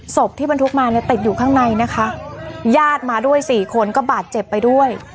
ที่บรรทุกมาเนี่ยติดอยู่ข้างในนะคะญาติมาด้วยสี่คนก็บาดเจ็บไปด้วย